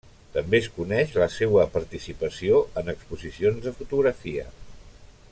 També es coneix la seua participació en exposicions de fotografia.